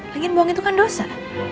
pengen buang itu kan dosa